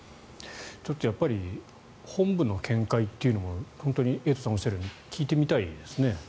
ちょっと本部の見解というのは本当にエイトさんがおっしゃるように聞いてみたいですね。